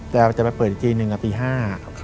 แต่จะไปเปิดอีกทีหนึ่งกับอีกที๕